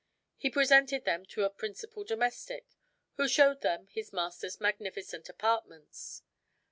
He presented them to a principal domestic, who showed them his master's magnificent apartments.